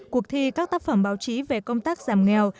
cuộc thi các tác phẩm báo chí về công tác giảm nghèo